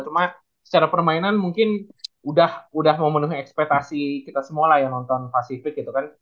cuma secara permainan mungkin udah mau menuhi ekspetasi kita semua lah ya nonton pacific gitu kan